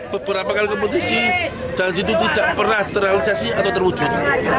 beberapa kali kompetisi dan itu tidak pernah terrealisasi atau terwujud